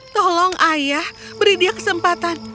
tolong ayah beri dia kesempatan